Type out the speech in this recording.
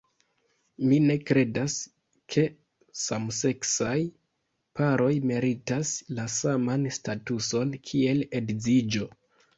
Mi ne kredas ke samseksaj-paroj meritas la saman statuson kiel edziĝo.